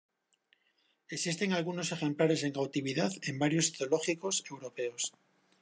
Existen algunos ejemplares en cautividad en varios zoológicos europeos.